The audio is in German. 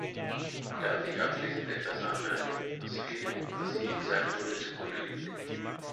Darf ich abschließend etwas anmerken, was vielem, was hier gesagt wurde, zugrunde liegt.